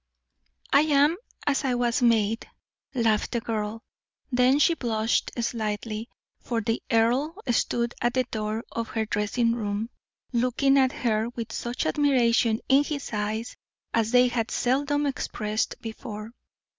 "I am as I was made," laughed the girl; then she blushed slightly, for the earl stood at the door of her dressing room, looking at her with such admiration in his eyes as they had seldom expressed before.